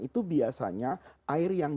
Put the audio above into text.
itu biasanya air yang